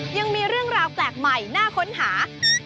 ยังมีเรื่องราวแปลกใหม่น่าค้นหา